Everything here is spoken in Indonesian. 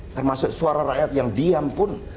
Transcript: termasuk suara rakyat yang diam pun